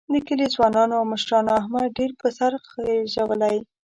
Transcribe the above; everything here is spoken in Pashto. د کلي ځوانانو او مشرانو احمد ډېر په سر خېجولی.